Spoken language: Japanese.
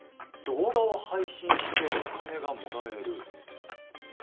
動画を配信してお金がもらえる。